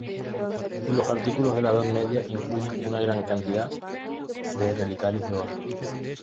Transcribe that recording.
Los artículos de la Edad Media incluyen una gran cantidad de relicarios de oro.